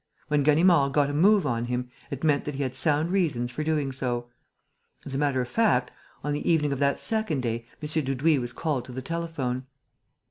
When Ganimard "got a move on him," it meant that he had sound reasons for doing so. As a matter of fact, on the evening of that second day, M. Dudouis was called to the telephone.